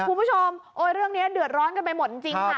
คุณผู้ชมเรื่องนี้เดือดร้อนกันไปหมดจริงค่ะ